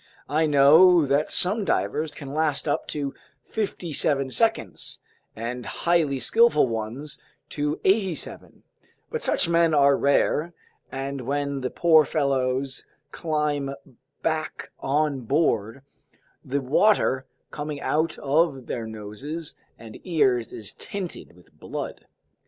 I know that some divers can last up to fifty seven seconds, and highly skillful ones to eighty seven; but such men are rare, and when the poor fellows climb back on board, the water coming out of their noses and ears is tinted with blood.